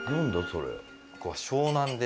それ。